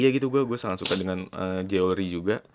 gue sangat suka dengan jewelry juga